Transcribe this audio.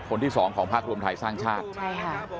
คนที่๒ของภักษ์รวมไทยสร้างชาติ